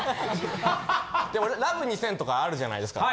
『ＬＯＶＥ２０００』とかあるじゃないですか。